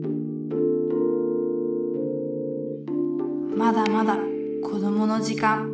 まだまだ子どもの時間。